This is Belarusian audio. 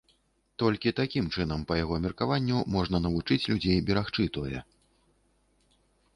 Толькі такім чынам, па яго меркаванню, можна навучыць людзей берагчы тое.